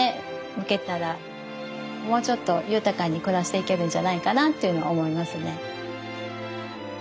向けたらもうちょっと豊かに暮らしていけるんじゃないかなっていうのは思いますね。